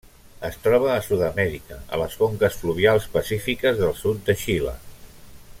Es troba a Sud-amèrica, a les conques fluvials pacífiques del sud de Xile.